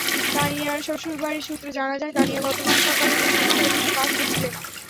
তানিয়ার শ্বশুরবাড়ি সূত্রে জানা যায়, তানিয়া গতকাল সকালে নিজের ঘরে বসে কাজ করছিলেন।